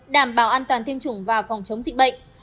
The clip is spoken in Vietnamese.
đảm bảo an toàn tiêm chủng và phòng chống dịch bệnh